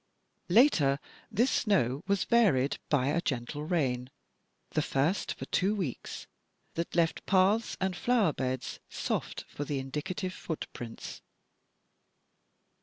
Later this light snow was varied by "a gentle rain, the first for two weeks," that left paths and flower beds soft for the indicative footprints.